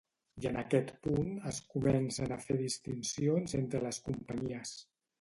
I en aquest punt es comencen a fer distincions entre les companyies.